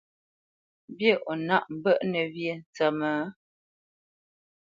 Mbî o nâʼ mbə́ʼnə̄ wyê ntsə́mə́?